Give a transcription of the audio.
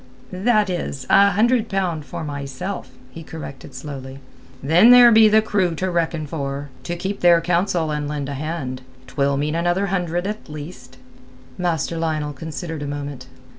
"That is, a hundred pound for myself," he corrected slowly. "Then there be the crew to reckon for—to keep their counsel and lend a hand; 'twill mean another hundred at the least." Master Lionel considered a moment.